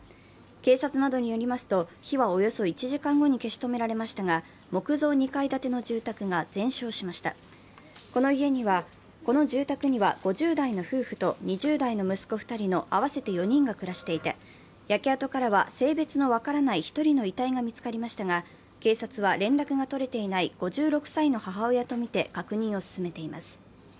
警察などによりますと、火はおよそ１時間後に消し止められましたが、木造２階建ての住宅が全焼しましたこの住宅には５０代の夫婦と２０代の息子２人の合わせて４人が暮らしていて、焼け跡からは性別の分からない１人の遺体が見つかりましたが、警察は連絡が取れていない５６歳の母親とみて確認を進めています。